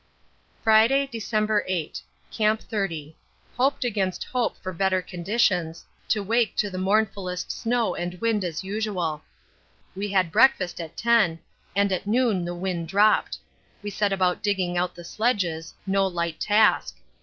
Friday, December 8. Camp 30. Hoped against hope for better conditions, to wake to the mournfullest snow and wind as usual. We had breakfast at 10, and at noon the wind dropped. We set about digging out the sledges, no light task.